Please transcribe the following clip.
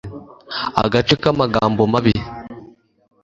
Agace kamagambo mabi